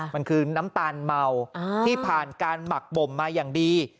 มันคือน้ำตาลเมาที่ผ่านการหมักบ่มมาอย่างดี